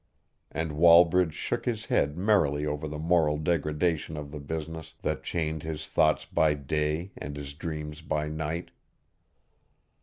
And Wallbridge shook his head merrily over the moral degradation of the business that chained his thoughts by day and his dreams by night.